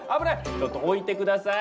ちょっと置いて下さい。